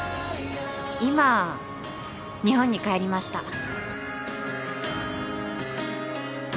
今日本に帰りました